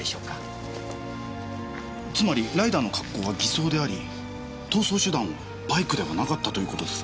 つまりライダーの格好は偽装であり逃走手段はバイクではなかったという事ですか？